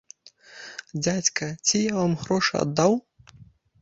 Дзядзька, ці я вам грошы аддаў?!